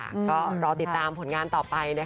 ไม่แน่ใจว่าใครจะไปต่อใครต้องอย่างไรบ้าง